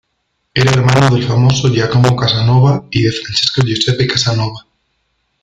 Era hermano del famoso Giacomo Casanova y de Francesco Giuseppe Casanova.